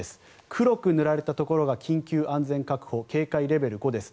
黒く塗られたところが緊急安全確保警戒レベル５です。